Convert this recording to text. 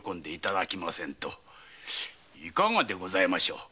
いかがでございましょう。